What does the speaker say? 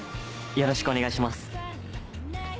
よろしくお願いします。